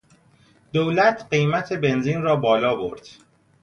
دولت قیمت بنزین را بالا برد.